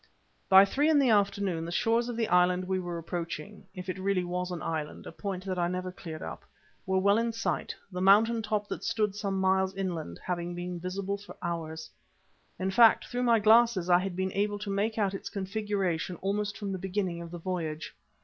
By three in the afternoon the shores of the island we were approaching if it really was an island, a point that I never cleared up were well in sight, the mountain top that stood some miles inland having been visible for hours. In fact, through my glasses, I had been able to make out its configuration almost from the beginning of the voyage.